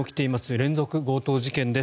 連続強盗事件です。